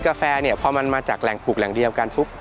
กาแฟเนี่ยพอมันมาจากแหล่งปลูกแหล่งเดียวกันปุ๊บ